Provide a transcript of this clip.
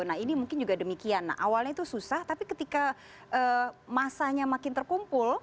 nah ini mungkin juga demikian nah awalnya itu susah tapi ketika masanya makin terkumpul